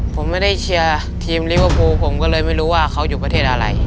ผมไม่ได้เชียร์ทีมลิเวอร์พูลผมก็เลยไม่รู้ว่าเขาอยู่ประเทศอะไร